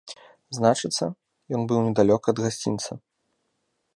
Значыцца, ён быў недалёка ад гасцінца.